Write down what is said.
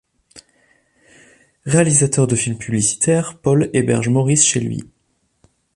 Réalisateur de films publicitaires, Paul héberge Maurice chez lui.